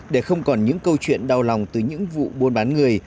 để không còn những câu chuyện đau lòng từ những vụ buôn bán người